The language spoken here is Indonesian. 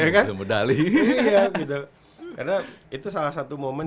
karena itu salah satu momen